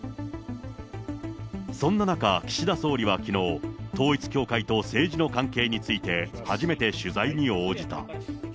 そんな中、岸田総理はきのう、統一教会と政治の関係について、初めて取材に応じた。